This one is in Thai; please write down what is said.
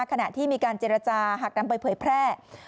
ขณะที่มีการเจรจาหากนำไปเผยแพร่